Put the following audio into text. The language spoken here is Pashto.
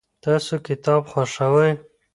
تاسو کتاب خوښوئ؟